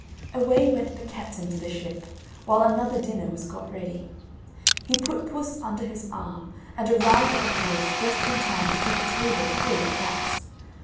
Away went the captain to the ship, while another dinner was got ready. He put Puss under his arm, and arrived at the place just in time to see the table full of rats.